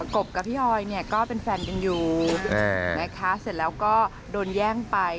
บกับพี่ออยเนี่ยก็เป็นแฟนกันอยู่นะคะเสร็จแล้วก็โดนแย่งไป